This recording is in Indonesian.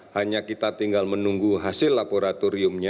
hanya kita tinggal menunggu hasil laboratoriumnya